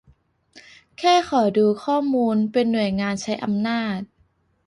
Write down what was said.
แค่ขอดูข้อมูล เป็นหน่วยงานใช้อำนาจ